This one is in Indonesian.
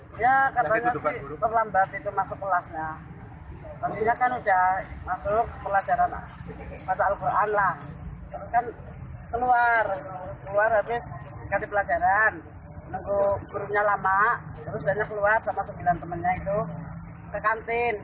pelajaran menunggu gurunya lama terus banyak keluar sama sembilan temannya itu ke kantin